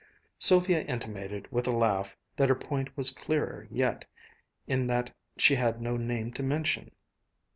Sylvia intimated with a laugh that her point was clearer yet in that she had no name to mention.